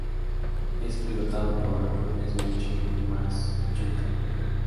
Es pilotado por Jules Bianchi y Max Chilton.